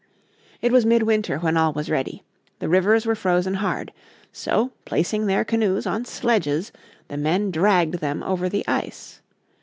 It was mid winter when all was ready. The rivers were frozen hard. So, placing their canoes on sledges, the men dragged them over the ice.